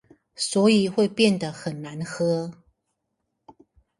所以會變得很難喝